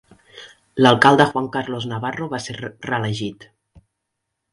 L'alcalde Juan Carlos Navarro va ser reelegit.